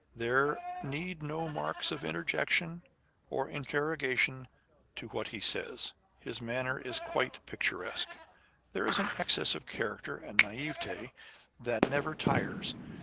There need no marks of interjection or interrogation to what he says. His manner is quite picturesque. There is an excess of character and naivete that never tires.